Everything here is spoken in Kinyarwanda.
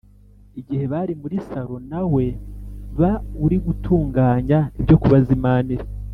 igihe bari muri saro na we ba uri gutunganya ibyo kubazimanira